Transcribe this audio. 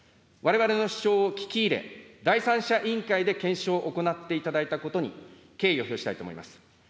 われわれの主張を聞き入れ、第三者委員会で検証を行っていただいたことに敬意を表したいと思います。